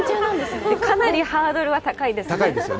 かなりハードルは高いです。